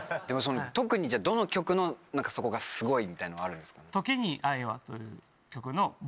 特にどの曲のそこがすごいみたいなのあるんですか？